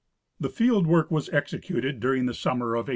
The fieldwork was executed during the summer of 1892.